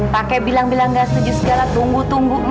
pak k bilang bilang nggak setuju segala tunggu tunggu hmm